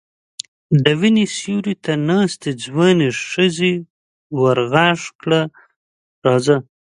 د وني سيوري ته ناستې ځوانې ښځې ور غږ کړل: راځه!